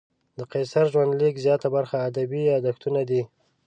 د قیصر ژوندلیک زیاته برخه ادبي یادښتونه دي.